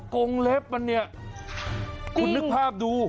กงเล็บมันเนี่ยคุณนึกภาพดู